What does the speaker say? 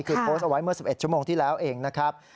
คือโพสต์เอาไว้เมื่อ๑๑ชั่วโมงที่แล้วเองนะครับ